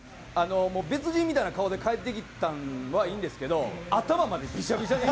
別人みたいな顔で帰ってきたんはいいんですけど頭までビシャビシャに。